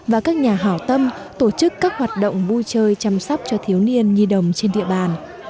và các nhà hảo tâm tổ chức các hoạt động vui chơi chăm sóc cho thiếu niên nhi đồng trên địa bàn